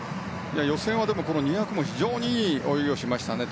予選は２００も非常にいい泳ぎをしましたね。